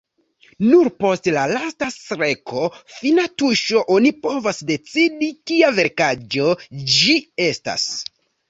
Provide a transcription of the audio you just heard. Nur post la lasta streko, fina tuŝo, oni povas decidi kia verkaĵo ĝi estas.